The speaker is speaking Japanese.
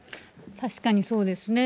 確かにそうですね。